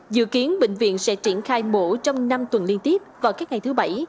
dự kiến bệnh viện sẽ triển khai mổ trong năm tuần liên tiếp vào các ngày thứ bảy